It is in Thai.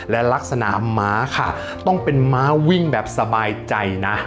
และลักษณะม้าค่ะต้องเป็นม้าวิ่งแบบสบายใจนะ